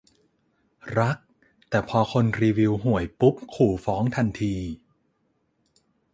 รัก แต่พอคนรีวิวห่วยปุ๊บขู่ฟ้องทันที